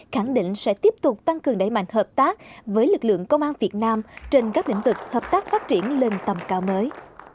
khẳng định sẽ tiếp tục tăng cường đẩy mạnh hợp tác với lực lượng công an việt nam trên các lĩnh vực hợp tác phát triển lên tầm cao mới